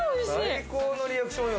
最高のリアクションよ。